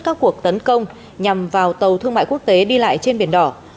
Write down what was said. các cuộc tấn công nhằm vào tàu thương mại quốc tế đi lại trên biển đỏ